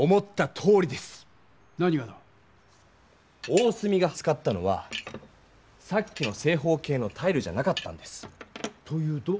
大角が使ったのはさっきの正方形のタイルじゃなかったんです！というと？